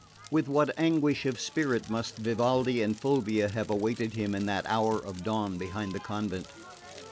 With what anguish of spirit must Vivaldi and Fulvia have awaited him in that hour of dawn behind the convent!